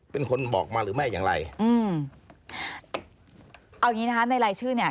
เป็นคนบอกมาหรือไม่อย่างไรอืมเอาอย่างงี้นะคะในรายชื่อเนี้ย